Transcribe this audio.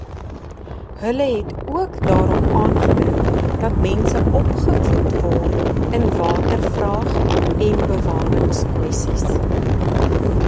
Hulle het ook daarop aangedring dat mense opgevoed word in watervraag- en bewaringskwessies.